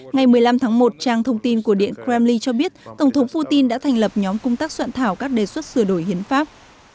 ngày một mươi năm tháng một trang thông tin của điện kremli cho biết tổng thống putin đã thành lập nhóm công tác soạn thảo các đề xuất sửa đổi hiến pháp